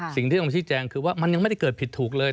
สิ่งที่ต้องชี้แจงคือว่ามันยังไม่ได้เกิดผิดถูกเลย